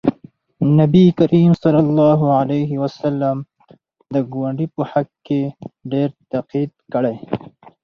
نبي کریم صلی الله علیه وسلم د ګاونډي په حق ډېر تاکید کړی